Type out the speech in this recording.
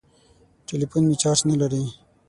ټليفون مې چارچ نه لري.